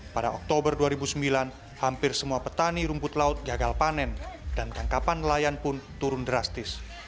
pada oktober dua ribu sembilan hampir semua petani rumput laut gagal panen dan tangkapan nelayan pun turun drastis